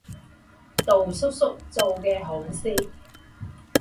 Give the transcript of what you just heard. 杜叔叔干的好事。